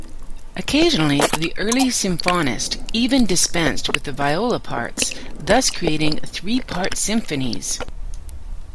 Occasionally the early symphonists even dispensed with the viola part, thus creating three-part symphonies.